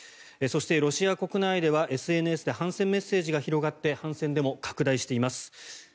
そしてロシア国内ではＳＮＳで反戦メッセージが広がって反戦デモが拡大しています。